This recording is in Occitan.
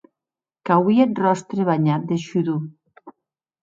Qu'auie eth ròstre banhat de shudor.